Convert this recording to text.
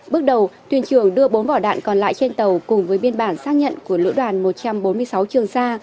bước đầu tuyên trường đưa bốn vỏ đạn còn lại trên tàu cùng với biên bản xác nhận của lữ đoàn một trăm bốn mươi sáu trường sa